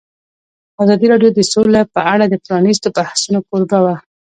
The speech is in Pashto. ازادي راډیو د سوله په اړه د پرانیستو بحثونو کوربه وه.